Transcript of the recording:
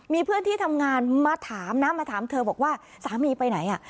มีเพื่อนที่ทำงานมาถามนะมาถามเธอบอกว่าสามีไปไหนอ่ะ